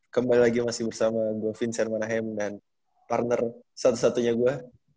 kembali lagi masih bersama gue vincermanahem dan partner satu satunya gue